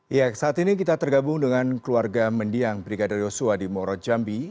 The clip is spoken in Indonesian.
ya saat ini kita tergabung dengan keluarga mendiang brigadir yosua di morot jambi